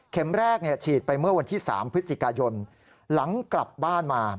แรกฉีดไปเมื่อวันที่๓พฤศจิกายนหลังกลับบ้านมา